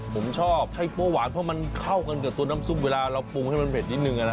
ผมชอบใช้โป้หวานเพราะมันเข้ากันกับตัวน้ำซุปเวลาเราปรุงให้มันเผ็ดนิดนึง